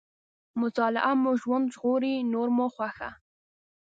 مطالعه مو ژوند ژغوري، نور مو خوښه.